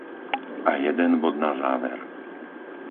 A jeden bod na záver.